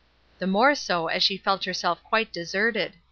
The more so as she felt herself quite deserted.